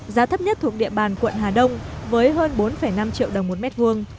giá thấp nhất thuộc địa bàn quận hà đông với hơn bốn năm triệu đồng một mét vuông